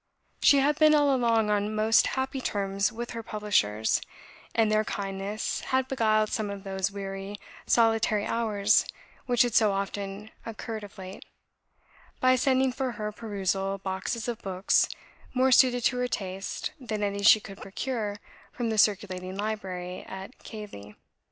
She had been all along on most happy terms with her publishers; and their kindness had beguiled some of those weary, solitary hours which had so often occurred of late, by sending for her perusal boxes of books more suited to her tastes than any she could procure from the circulating library at Keighley.